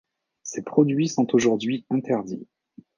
Ces produits sont aujourd'hui interdits.